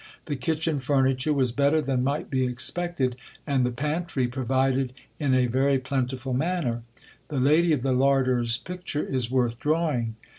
The kitchen furniture was better than might be expected, and the pantry provided in a very plentiful manner. The lady of the larder's picture is worth drawing.